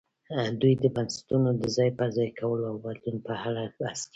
دوی د بنسټونو د ځای پر ځای کولو او بدلون په اړه بحث کوي.